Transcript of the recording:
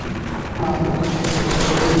মা, আমি ওকে খুব ভালবাসি, সত্যিই ভালোবাসি।